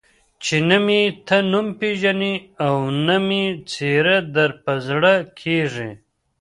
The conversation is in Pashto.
چې نه مې ته نوم پېژنې او نه مې څېره در په زړه کېږي.